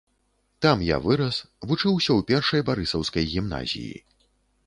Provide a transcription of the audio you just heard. Там я вырас, вучыўся ў першай барысаўскай гімназіі.